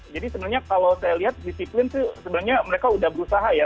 jadi sebenarnya kalau saya lihat disiplin itu sebenarnya mereka sudah berusaha ya